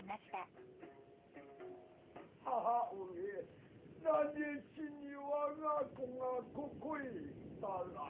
「母上なぜしに我が子がここへ来たらに」。